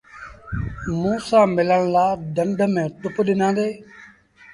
موݩٚ سآݩٚ ملڻ لآ ڍنڍ ميݩ ٽپ ڏنآندي۔